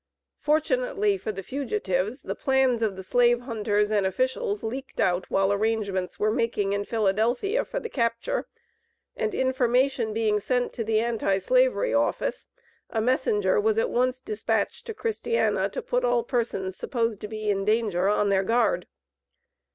Fortunately for the fugitives the plans of the slave hunters and officials leaked out while arrangements were making in Philadelphia for the capture, and, information being sent to the Anti slavery office, a messenger was at once dispatched to Christiana to put all persons supposed to be in danger on their guard.